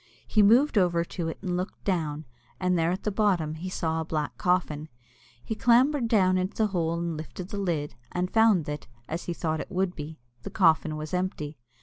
He moved over to it, and looked down, and there at the bottom he saw a black coffin. He clambered down into the hole and lifted the lid, and found that (as he thought it would be) the coffin was empty.